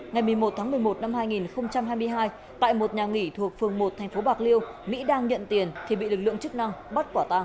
ngày một mươi một tháng một mươi một năm hai nghìn hai mươi hai tại một nhà nghỉ thuộc phường một thành phố bạc liêu mỹ đang nhận tiền thì bị lực lượng chức năng bắt quả tàng